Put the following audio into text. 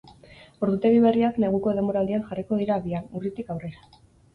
Ordutegi berriak neguko denboraldian jarriko dira abian, urritik aurrera.